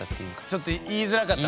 ちょっと言いづらかったんだ。